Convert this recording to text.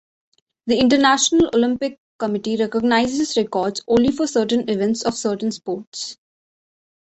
The International Olympic Committee recognizes records only for certain events of certain sports.